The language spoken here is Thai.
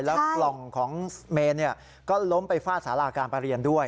แล้วกล่องของเมนก็ล้มไปฟาดสาราการประเรียนด้วย